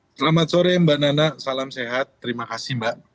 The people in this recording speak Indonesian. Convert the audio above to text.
selamat sore mbak nana salam sehat terima kasih mbak